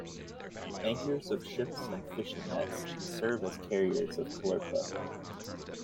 Anchors of ships and fishing nets can serve as carriers of Caulerpa.